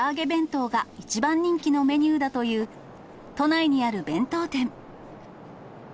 弁当が一番人気のメニューだという、都内にある弁当店。